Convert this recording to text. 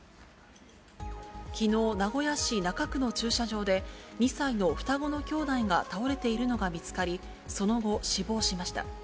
きのう、名古屋市中区の駐車場で、２歳の双子の兄弟が倒れているのが見つかり、その後、死亡しました。